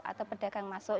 atau pedagang masuk